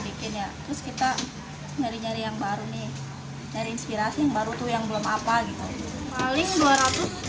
bakso berbentuk mangkuk juga banyak